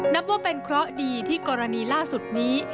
นับว่าเป็นเคราะห์ดีที่กรณีล่าสุดนี้